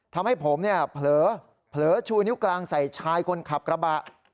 ทำให้ผมเนี่ยเผลอชูนิ้วกลางใส่ชายคนขับกระบะ